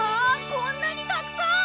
こんなにたくさん！